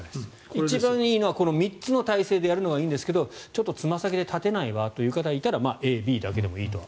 一番いいのはこの３つの体勢でやるのがいいんですがちょっとつま先で立てない方はＡ、Ｂでもいいと。